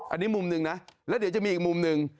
อันนี้มุมหนึ่งนะแล้วเดี๋ยวจะมีอีกมุมหนึ่ง